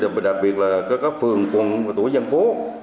cũng như đặc biệt là các phường quận tủ dân phố